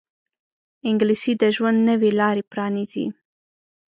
انګلیسي د ژوند نوې لارې پرانیزي